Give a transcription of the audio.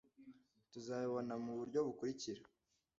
Tuzabibona muburyo bukurikira.